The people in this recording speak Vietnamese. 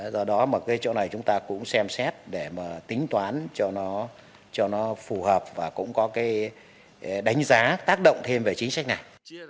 do đó chỗ này chúng ta cũng xem xét để tính toán cho nó phù hợp và cũng có đánh giá tác động thêm về chính sách này